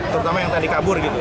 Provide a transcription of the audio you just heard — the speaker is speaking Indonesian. terutama yang tadi kabur gitu